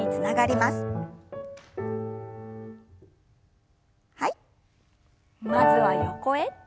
まずは横へ。